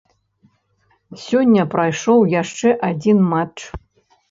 Сёння прайшоў яшчэ адзін матч.